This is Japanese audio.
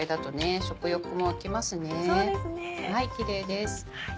キレイです。